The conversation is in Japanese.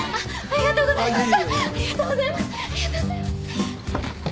ありがとうございます。